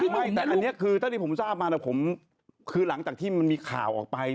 ไหนอันนี้คือตะดีผมทราบมา๐๒๐๓๑๕หลังจากที่มีข่าวออกไป